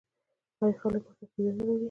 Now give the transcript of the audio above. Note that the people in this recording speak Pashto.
آیا خلک ورته عقیده نلري؟